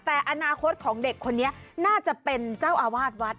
แต่อนาคตของเด็กคนนี้น่าจะเป็นเจ้าอาวาสวัด